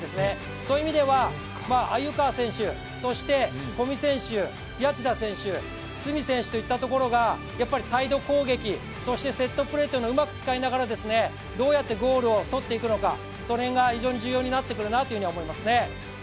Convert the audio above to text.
そういう意味では鮎川選手など谷内田選手、角選手といったところがサイド攻撃、そしてセットプレーというのをうまく使いながらボールをどうとっていくのかその辺が非常に重要になってくると思います。